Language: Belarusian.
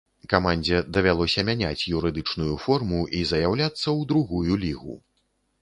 Камандзе давялося мяняць юрыдычную форму і заяўляцца ў другую лігу.